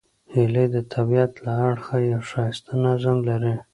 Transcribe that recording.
هیلۍ د طبیعت له اړخه یو ښایسته نظم لري